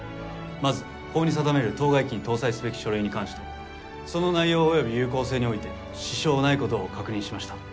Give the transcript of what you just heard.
まず法に定める当該機に搭載すべき書類に関してその内容及び有効性において支障ない事を確認しました。